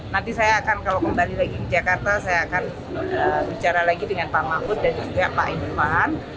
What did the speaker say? nanti saya akan kalau kembali lagi ke jakarta saya akan bicara lagi dengan pak mahfud dan juga pak irfan